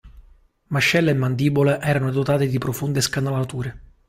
Mascella e mandibola erano dotate di profonde scanalature.